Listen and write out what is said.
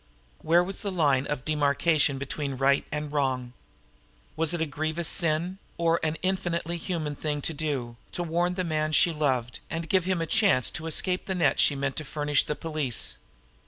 Where was the line of demarcation between right and wrong? Was it a grievous sin, or an infinitely human thing to do, to warn the man she loved, and give him a chance to escape the net she meant to furnish the police?